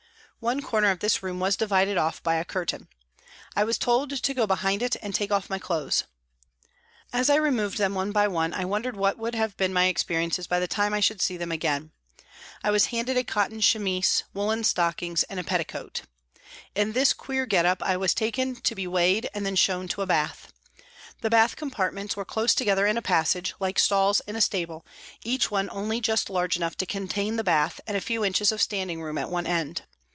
One corner of this room was divided off by a curtain. I was told to go behind it and take off my clothes. As I removed them one by one I wondered what would have been my experiences by the time I should see them again. I was handed a cotton chemise, woollen stockings and a petticoat. In this 76 PRISONS AND PRISONERS queer get up I was taken to be weighed and then shown to a bath. The bath compartments were close together in a passage, like stalls in a stable, each one only just large enough to contain the bath and a few inches of standing room at one end.